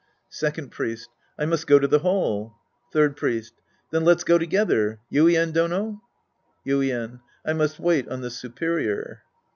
Second Priest. I must go to the hall. Third Priest. Then let's go together, Yuien Dono? Yuien. I must wait on the superior.